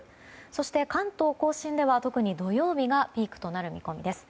そして、関東・甲信では特に土曜日がピークとなる見込みです。